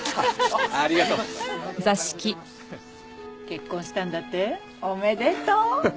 結婚したんだって？おめでとう！